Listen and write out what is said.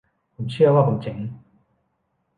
ผมเชื่อว่าผมเจ๋ง